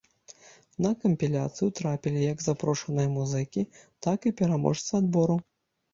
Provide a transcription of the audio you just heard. На кампіляцыю трапілі як запрошаныя музыкі, так і пераможцы адбору.